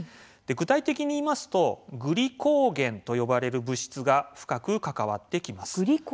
具体的に言いますとグリコーゲンと呼ばれる物質が深く関わってきます。